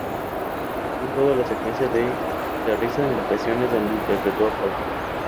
Participó en toda la secuencia de "La risa en vacaciones", donde interpretó a Paco.